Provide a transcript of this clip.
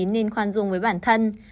nên khoan dung với bản thân